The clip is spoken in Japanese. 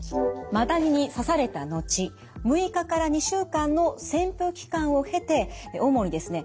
マダニに刺されたのち６日２週間の潜伏期間を経て主にですね